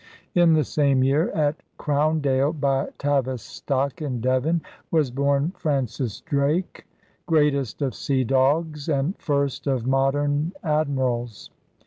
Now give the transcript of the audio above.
In the same year, at Crowndale by Tavistock in Devon, was born Francis Drake, greatest of sea dogs and first of modern admirals.